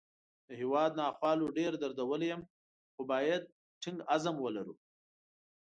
د هیواد ناخوالو ډېر دردولی یم، خو باید ټینګ عزم ولرو